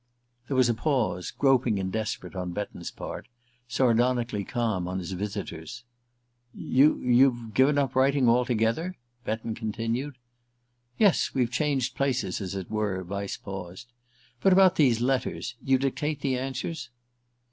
There was a pause, groping and desperate on Betton's part, sardonically calm on his visitor's. "You you've given up writing altogether?" Betton continued. "Yes; we've changed places, as it were." Vyse paused. "But about these letters you dictate the answers?"